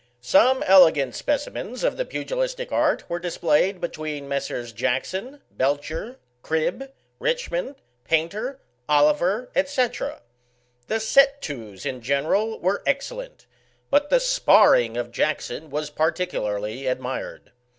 Some elegant speci mens of the pugilistic art were displayed between Messrs. Jackson, Belcher, Cribb, Richmond, Painter, Oliver, &c. The set tos, in general, were excellent; but the sparring of Jackson was particularly ad mired.